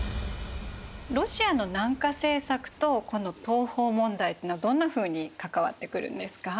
ロシアの南下政策とこの東方問題っていうのはどんなふうに関わってくるんですか？